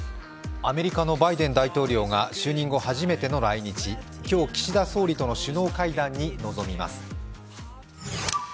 アメリカのバイデン大統領が就任後初めての来日、今日岸田総理との首脳会談に臨みます。